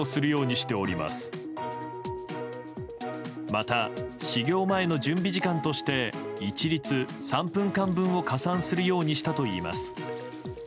また、始業前の準備時間として一律３分間分を加算するようにしたといいます。